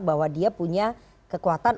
bahwa dia punya kekuatan